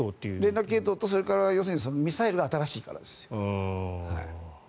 連絡系統と、それからミサイルが新しいからですよ。